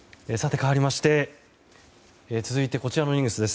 かわりまして続いてこちらのニュースです。